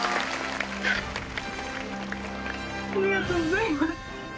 ありがとうございます。